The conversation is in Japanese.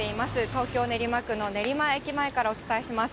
東京・練馬区の練馬駅前からお伝えします。